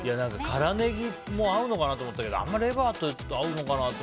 辛ネギも合うのかなと思ったけどレバーと合うのかなって。